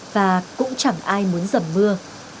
và cũng chẳng ai muốn dầm mưa